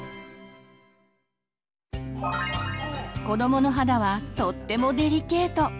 子どもの肌はとってもデリケート。